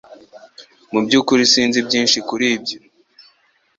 Mu byukuri sinzi byinshi kuri ibyo